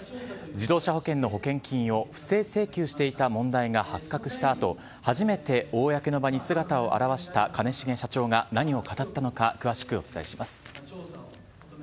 自動車保険の保険金を不正請求していた問題が発覚したあと、初めて公の場に姿を現した兼重社長が何を語ったのか、詳しくお伝えします。